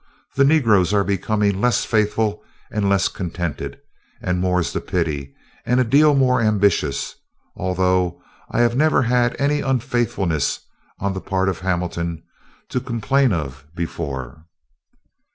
The negroes are becoming less faithful and less contented, and more 's the pity, and a deal more ambitious, although I have never had any unfaithfulness on the part of Hamilton to complain of before."